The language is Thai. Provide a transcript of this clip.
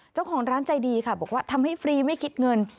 เจ้าของร้านใจดีค่ะบอกว่าทำให้ฟรีไม่คิดเงิน